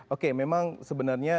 oke memang sebenarnya